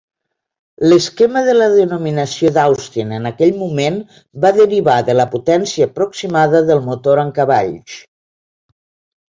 L'esquema de la denominació d'Austin en aquell moment va derivar de la potència aproximada del motor en cavalls.